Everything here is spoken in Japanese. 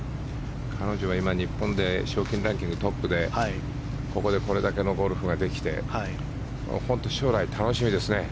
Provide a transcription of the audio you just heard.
彼女は今日本で賞金ランキングトップでここでこれだけのゴルフができて本当に将来が楽しみですね。